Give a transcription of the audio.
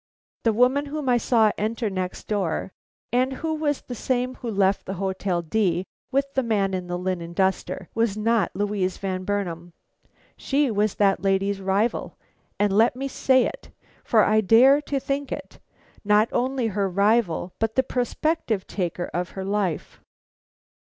"The woman whom I saw enter next door, and who was the same who left the Hotel D with the man in the linen duster, was not Louise Van Burnam. She was that lady's rival, and let me say it, for I dare to think it, not only her rival but the prospective taker of her life.